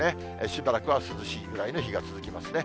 しばらくは涼しいぐらいの日が続きますね。